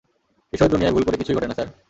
ঈশ্বরের দুনিয়ায় ভুল করে কিছুই ঘটে না, স্যার।